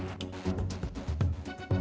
tidak kita disuruh tunggu